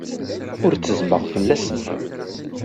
Ur ttezzmeɣ fell-asen.